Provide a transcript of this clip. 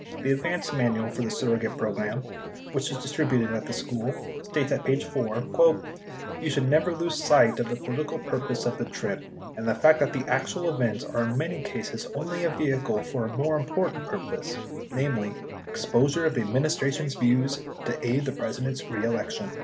The advance manual for the surrogate program, 60 which was distributed at the school, states at page 4 :... [Y]ou should never lose sight of the political purpose of the trip and the fact that the actual events are in many cases only a vehicle for a more important purpose — namely ex posure of the Administration's views to aid the President's re election.